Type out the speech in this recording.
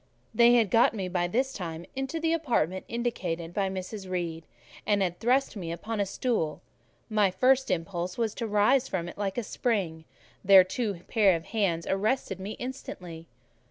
They had got me by this time into the apartment indicated by Mrs. Reed, and had thrust me upon a stool: my impulse was to rise from it like a spring; their two pair of hands arrested me instantly.